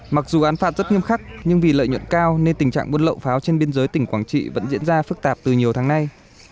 mặc dù án phạt rất nghiêm khắc nhưng vì lợi nhuận cao nên tình trạng buôn lậu pháo trên biên giới tỉnh quảng trị vẫn diễn ra phức tạp từ nhiều tháng nay